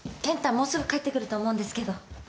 もうすぐ帰ってくると思うんですけど。